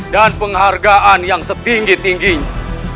dan penghargaan yang setinggi tingginya